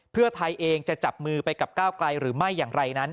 เพื่อไทยเองจะจับมือไปกับก้าวไกลหรือไม่อย่างไรนั้น